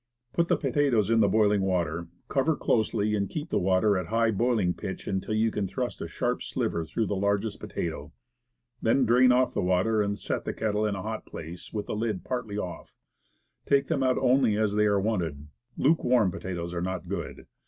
Put the pota toes in the boiling water, cover closely, and keep the water at high boiling pitch until you can thrust a sharp sliver through the largest potato. Then Potatoes. 99 drain off the water, and set the kettle in a hot place with the lid partly off. Take them out only as they are wanted; lukewarm potatoes are not good.